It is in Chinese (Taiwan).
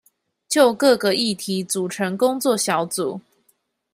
就各個議題組成工作小組